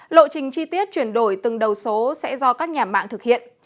lộ trình chi tiết chuyển đổi từng đầu số sẽ do các nhà mạng thực hiện